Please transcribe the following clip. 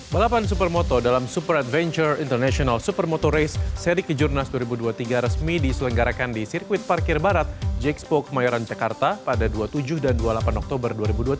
balapan supermoto dalam super adventure international supermoto race seri kejurnas dua ribu dua puluh tiga resmi diselenggarakan di sirkuit parkir barat jxpo kemayoran jakarta pada dua puluh tujuh dan dua puluh delapan oktober dua ribu dua puluh tiga